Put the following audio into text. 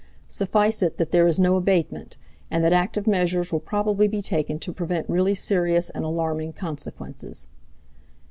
Suffice it that there is no abatement, and that active measures will probably be taken to prevent really serious and alarming consequences.